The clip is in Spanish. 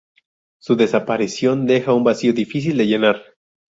Su desaparición deja un vacío difícil de llenar.